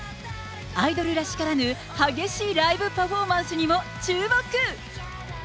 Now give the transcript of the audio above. アイドルらしからぬ、激しいライブパフォーマンスにも注目。